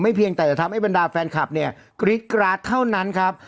เพียงแต่จะทำให้บรรดาแฟนคลับเนี่ยกรี๊ดกราดเท่านั้นครับ